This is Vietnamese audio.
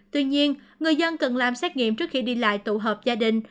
tuy nhiên người dân cần làm xét nghiệm trước khi đi lại tụ hợp gia đình